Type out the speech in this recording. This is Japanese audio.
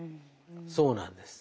そうなんです。